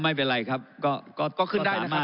ไม่เป็นไรครับก็ขึ้นได้นะครับ